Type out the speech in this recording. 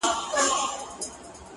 د مینې پښې په سمه غر نه لګي